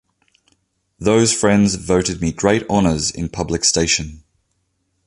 Those friends voted me great honors in public station.